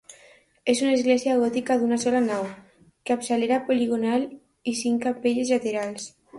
És una església gòtica d'una sola nau, capçalera poligonal i cinc capelles laterals.